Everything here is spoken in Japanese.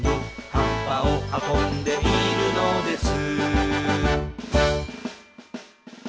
「葉っぱを運んでいるのです」